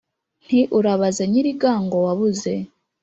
Nti: "Urabaze Nyilingango wabuze